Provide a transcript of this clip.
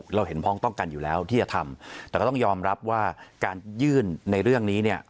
เราเห็นพ้องต้องกันอยู่แล้วที่จะทำแต่ก็ต้องยอมรับว่าการยื่นในเรื่องนี้เนี่ย